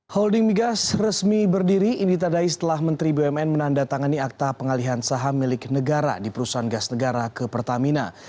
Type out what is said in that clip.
holding migas resmi berdiri ini tadai setelah menteri bumn menandatangani akta pengalihan saham milik negara di perusahaan gas negara ke pertamina